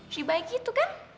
dia baik gitu kan